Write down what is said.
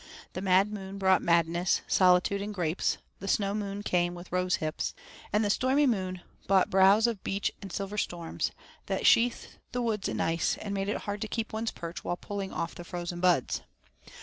The Mad Moon brought madness, solitude, and grapes; the Snow Moon came with rosehips; and the Stormy Moon brought browse of birch and silver storms that sheathed the woods in ice, and made it hard to keep one's perch while pulling off the frozen buds.